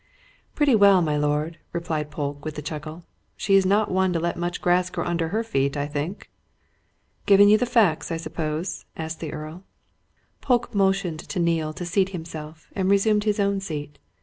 "Pretty well, my lord," replied Polke, with a chuckle. "She's not one to let much grass grow under her feet, I think." "Given you the facts, I suppose?" asked the Earl. Polke motioned to Neale to seat himself, and resumed his own seat.